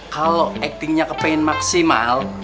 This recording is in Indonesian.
kalau actingnya kepingin maksimal